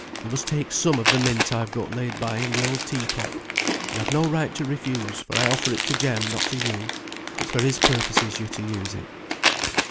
You must take some of the mint I've got laid by in the old tea pot. You have no right to refuse, for I offer it to Jem, not to you; it's for his purposes you're to use it."